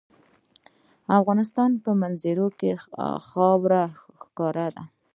د افغانستان په منظره کې خاوره ښکاره ده.